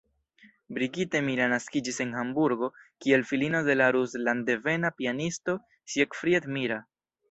Brigitte Mira naskiĝis en Hamburgo, kiel filino de la rusland-devena pianisto Siegfried Mira.